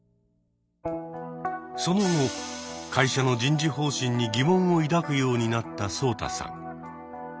その後会社の人事方針に疑問を抱くようになったソウタさん。